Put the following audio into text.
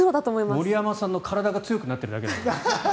森山さんの体が強くなっているだけだよ。